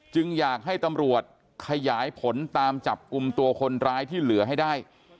อยากให้ตำรวจขยายผลตามจับกลุ่มตัวคนร้ายที่เหลือให้ได้